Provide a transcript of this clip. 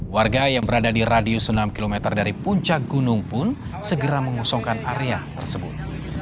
warga yang berada di radius enam km dari puncak gunung pun segera mengosongkan area tersebut